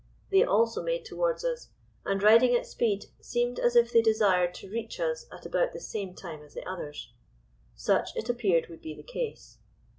They also made towards us, and riding at speed, seemed as if they desired to reach us at about the same time as the others. Such, it appeared, would be the case.